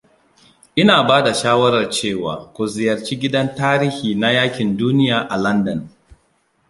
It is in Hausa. Ina ba da shawarar cewa ku ziyarci gidan Tarihi na Yaƙin Duniya a Landan.